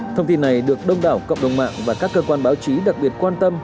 thông tin này được đông đảo cộng đồng mạng và các cơ quan báo chí đặc biệt quan tâm